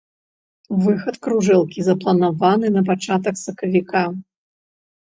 Выхад кружэлкі запланаваны на пачатак сакавіка.